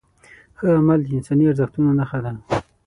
ښه عمل د انساني ارزښتونو نښه ده.